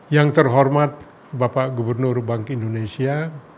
yang terhormat bapak gubernur bank indonesia